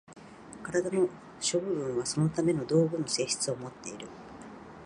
身体の諸部分はそのための道具の性質をもっている。